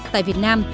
tại việt nam